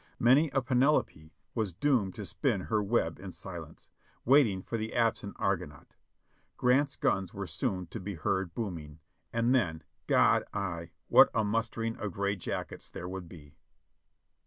Many a Penelope was doomed to spin her web in silence, waiting for the absent Argonaut. Grant's guns were soon to be heard booming, and then — God! what a mustering of gray jackets there would be.